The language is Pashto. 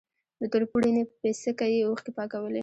د تور پوړني په پيڅکه يې اوښکې پاکولې.